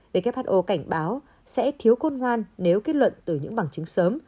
who cảnh báo sẽ thiếu côn ngoan nếu kết luận từ những bằng chứng sớm